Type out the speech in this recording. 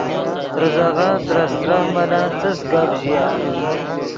ریزغن ترے استرف ملن څس گپ ژیا